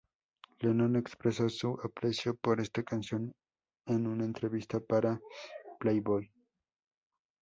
Lennon expreso su aprecio por esta canción en una entrevista para "Playboy".